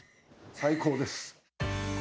最高です！